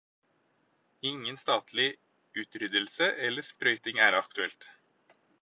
Ingen statlig utryddelse eller sprøyting er aktuelt.